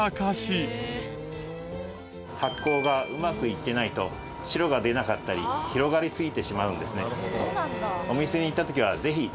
発酵がうまくいってないと白が出なかったり広がりすぎてしまうんですね。